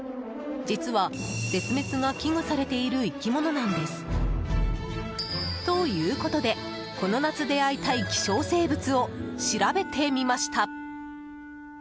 実は絶滅が危惧されている生き物なんです。ということでこの夏出会いたい希少生物を調べてみました。